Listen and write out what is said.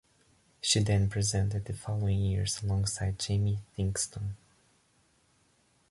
She then presented the following years alongside Jamie Theakston.